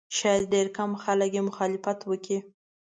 شاید ډېر کم خلک یې مخالفت وکړي.